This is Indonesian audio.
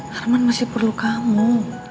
harman masih perlu kamu